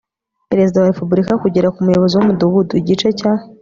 perezida wa repubulika kugera ku muyobozi w'umudugudu. igice cya